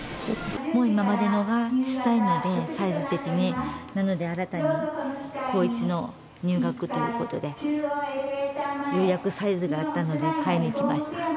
もう今までのが小さいのでサイズ的になので新たに高１の入学ということでようやくサイズがあったので買いに来ました